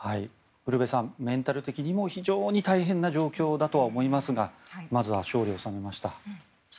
ウルヴェさんメンタル的にも非常に大変な状況だと思いますがまずは勝利を収めました。